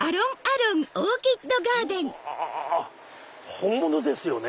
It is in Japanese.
本物ですよね？